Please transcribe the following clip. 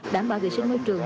đảm bảo vệ sinh môi trường